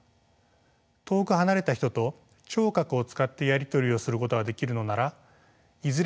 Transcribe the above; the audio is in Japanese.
遠く離れた人と聴覚を使ってやり取りをすることができるのならいずれ